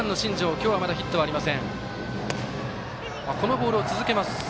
今日はまだヒットありません。